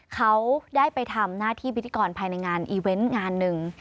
เขาได้ไปทำหน้าที่พิธีกรภายในงานอีเวนต์งานหนึ่ง